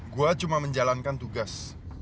gue cuma menjalankan tugas